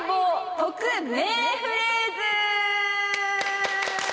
特名フレーズ！